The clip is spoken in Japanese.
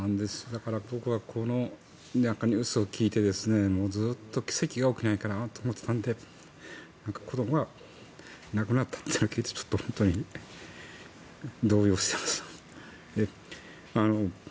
だから僕はこのニュースを聞いてずっと奇跡が起きないかなと思っていたので子どもが亡くなったっていうのを聞いて本当に動揺しています。